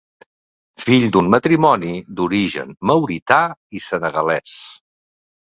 Fill d'un matrimoni d'origen maurità i senegalès.